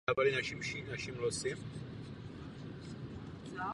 Prezident je také vrchním velitelem ozbrojených sil.